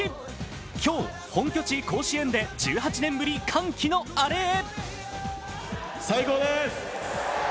今日、本拠地・甲子園で１８年ぶり、歓喜のアレへ。